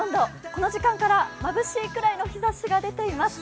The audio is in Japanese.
この時間からまぶしいくらいの日ざしが出ています。